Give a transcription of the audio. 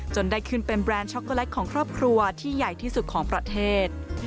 ได้ขึ้นเป็นแบรนด์ช็อกโกแลตของครอบครัวที่ใหญ่ที่สุดของประเทศ